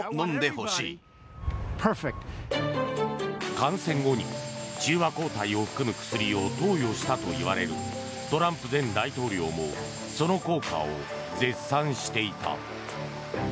感染後に中和抗体を含む薬を投与したといわれるトランプ前大統領もその効果を絶賛していた。